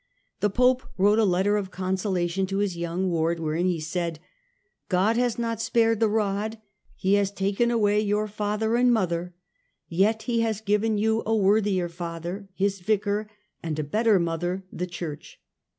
The Pope wrote a letter of consolation to his young ward, wherein he said :" God has not spared the rod ; he has taken away your father and mother : yet He has given you a worthier father, His Vicar, and a better mother, the Church."